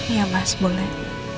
iya mas boleh